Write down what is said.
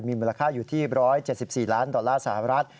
มีมูลค่าอยู่ที่๑๗๔ล้านดอลลาร์สหรัฐ